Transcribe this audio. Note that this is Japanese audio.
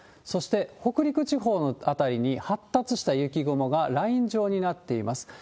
そして、北陸地方の辺りに、発達した雪雲がライン状になっています。